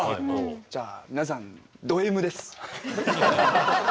じゃあ皆さんドＭです。